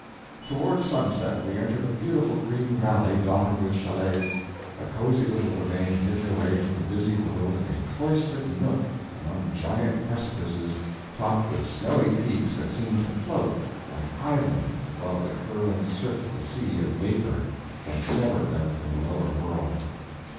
Toward sunset we entered a beautiful green valley dotted with chalets, a cozy little domain hidden away from the busy world in a cloistered nook among giant precipices topped with snowy peaks that seemed to float like islands above the curling surf of the sea of vapor that severed them from the lower world.